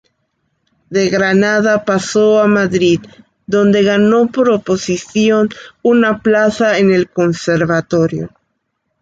De Granada pasó a Madrid, donde ganó por oposición una plaza en el conservatorio.